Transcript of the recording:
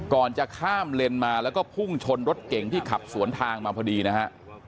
จะข้ามเลนมาแล้วก็พุ่งชนรถเก่งที่ขับสวนทางมาพอดีนะฮะ